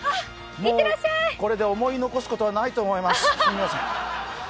これで思い残すことはないと思います。